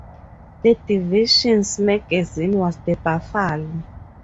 The division's magazine was "The Buffalo".